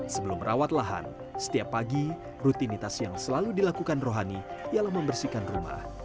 sebelum merawat lahan setiap pagi rutinitas yang selalu dilakukan rohani ialah membersihkan rumah